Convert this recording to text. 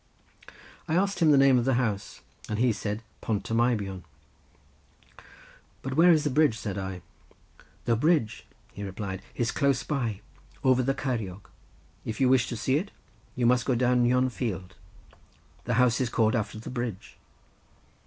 I asked him the name of the house, and he said Pont y Meibion. "But where is the bridge?" said I. "The bridge," he replied, "is close by, over the Ceiriog. If you wish to see it, you must go down yon field; the house is called after the bridge."